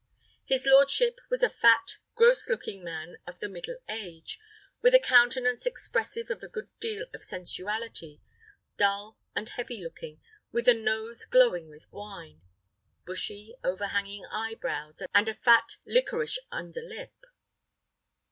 His lordship was a fat, gross looking man of the middle age, with a countenance expressive of a good deal of sensuality dull and heavy looking, with a nose glowing with wine; bushy, overhanging eyebrows, and a fat, liquorish under lip.